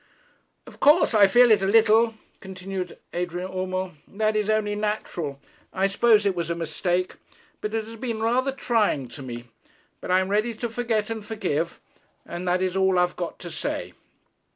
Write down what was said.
'Of course, I feel it a little,' continued Adrian Urmand. 'That is only natural. I suppose it was a mistake; but it has been rather trying to me. But I am ready to forget and forgive, and that is all I've got to say.'